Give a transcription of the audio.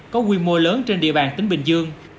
có quy mô lớn trên địa bàn tỉnh bình dương